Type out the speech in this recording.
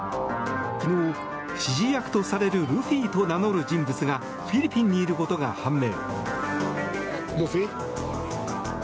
昨日、指示役とされるルフィと名乗る人物がフィリピンにいることが判明。